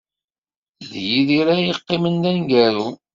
D Yidir ay yeqqimen d aneggaru.